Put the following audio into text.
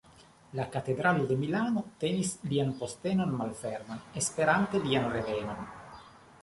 La katedralo de Milano tenis lian postenon malferman, esperante lian revenon.